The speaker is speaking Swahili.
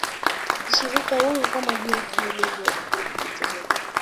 Ni Shirika huru kama jinsi ilivyo likijitegemea